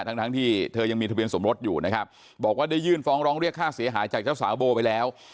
ทั้งทั้งที่เธอยังมีทะเบียนสมรสอยู่นะครับบอกว่าได้ยื่นฟ้องร้องเรียกค่าเสียหายจากเจ้าสาวโบไปแล้ว